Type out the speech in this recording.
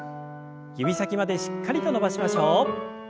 指先までしっかりと伸ばしましょう。